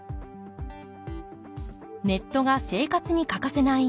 ネットが生活に欠かせない